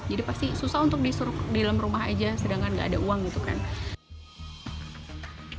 jadi pasti susah untuk disuruh di dalam rumah aja sedangkan nggak ada uang gitu kan